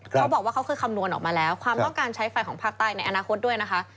เขาบอกว่าเขาคือคำนวณออกมาแล้วความต้องการใช้ไฟของภาคใต้ในอนาคตด้วยนะคะ